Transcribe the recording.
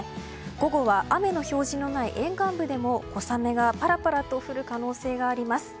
午後は雨の表示のない沿岸部でも小雨がパラパラと降る可能性があります。